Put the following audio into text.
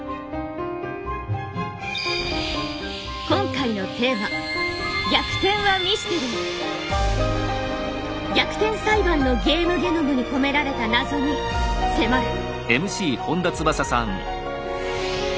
今回のテーマ「逆転裁判」のゲームゲノムに込められた謎に迫る。